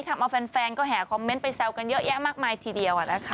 ทำเอาแฟนก็แห่คอมเมนต์ไปแซวกันเยอะแยะมากมายทีเดียวนะคะ